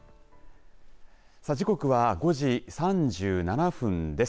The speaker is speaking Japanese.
時刻は５時３７分です。